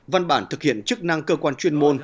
văn bản thực hiện chức năng cơ quan chuyên môn